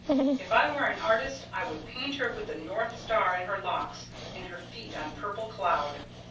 If I were an artist, I would paint her with the north star in her locks and her feet on purple cloud.